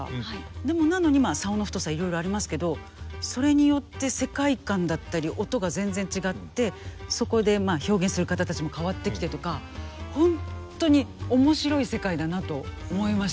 でもなのに棹の太さいろいろありますけどそれによって世界観だったり音が全然違ってそこで表現する方たちも変わってきてとかホントに面白い世界だなと思いました。